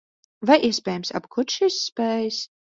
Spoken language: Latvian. Vai iespējams apgūt šīs spējas?